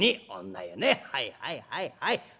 はいはいはいはいはい！